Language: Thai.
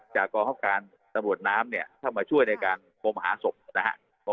จากกรรมครอบคราวสมุดน้ำเนี่ยเข้ามาช่วยในการกลมหาศพนะครับ